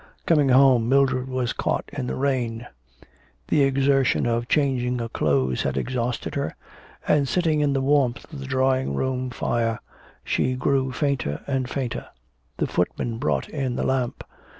Coming home Mildred was caught in the rain; the exertion of changing her clothes had exhausted her, and sitting in the warmth of the drawing room fire she grew fainter and fainter. The footman brought in the lamp.